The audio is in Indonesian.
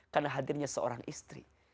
karena hadirnya seorang istri